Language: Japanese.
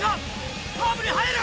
カーブに入る！